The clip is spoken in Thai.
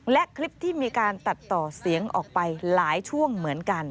และคลิปที่มีการตัดต่อเสียงออกไปหลายช่วงเหมือนกัน